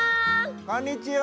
こんにちは！